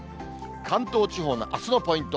関東地方のあすのポイント。